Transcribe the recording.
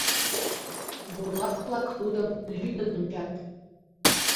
Бурлак-влак тудым лӱдын ончат.